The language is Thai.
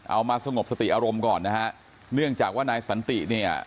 มาสงบสติอารมณ์ก่อนนะฮะเนื่องจากว่านายสันติเนี่ย